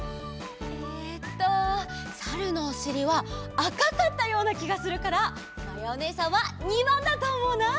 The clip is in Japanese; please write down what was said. えっとサルのおしりはあかかったようなきがするからまやおねえさんは②ばんだとおもうな！